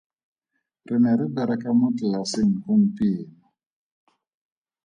Re ne re bereka mo tlelaseng gompieno.